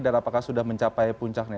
dan apakah sudah mencapai puncaknya